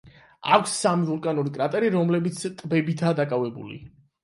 აქვს სამი ვულკანური კრატერი, რომლებიც ტბებითაა დაკავებული.